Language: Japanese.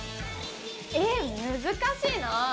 え難しいな。